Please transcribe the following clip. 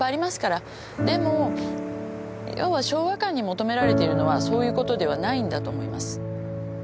でも要は昭和館に求められているのはそういうことではないんだと思います。